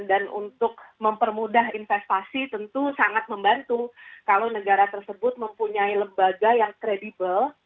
dan untuk mempermudah investasi tentu sangat membantu kalau negara tersebut mempunyai lembaga yang kredibel